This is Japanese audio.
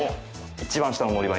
一番下の乗り場？